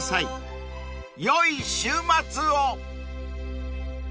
［よい週末を！］